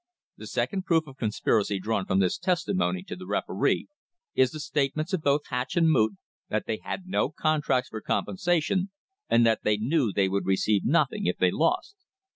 The second proof of conspiracy drawn from this testimony to the referee is the statements of both Hatch and Moot that they had no contracts for compensation and that they knew they would receive nothing if they lost.